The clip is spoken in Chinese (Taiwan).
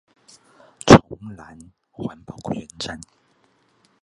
崇蘭環保公園站